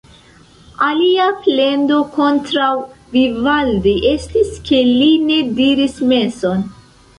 Alia plendo kontraŭ Vivaldi estis, ke li ne diris meson.